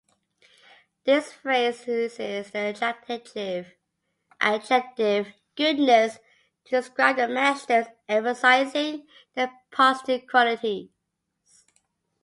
This phrase uses the adjective "goodness" to describe the masters, emphasizing their positive qualities.